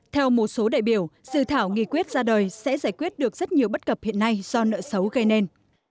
theo một số đại biểu dự thảo nghị quyết ra đời sẽ giải quyết được rất nhiều bất cập hiện nay do nợ xấu gây nên